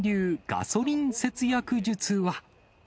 ガソリン節約術は。